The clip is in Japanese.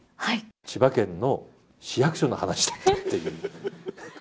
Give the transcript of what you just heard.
千葉県の市役所の話だったっていう。